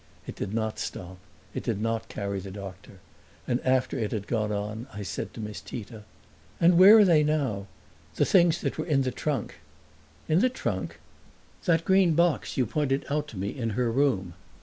It did not stop, it did not carry the doctor; and after it had gone on I said to Miss Tita: "And where are they now the things that were in the trunk?" "In the trunk?" "That green box you pointed out to me in her room.